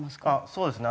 そうですね。